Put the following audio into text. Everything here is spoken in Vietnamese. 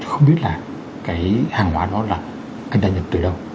không biết là cái hàng hóa đó là anh ta nhập từ đâu